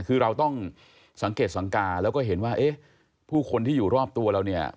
คือเราต้องสังเกตสังกาแล้วก็เห็นว่าเอ๊ะผู้คนที่อยู่รอบตัวเราเนี่ย